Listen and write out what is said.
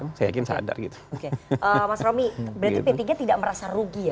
oke mas romi berarti p tiga tidak merasa rugi ya